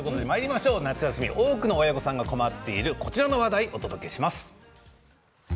夏休み多く親御さんが困っているこちらの話題をお届けします。